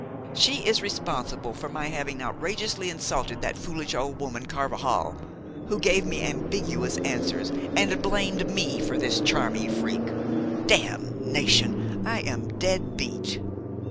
She is responsible for my having outrageously insulted that foolish old woman, Carvajal, who gave me ambiguous answers and blamed me for this charming freak! Damnation! I am dead beat!"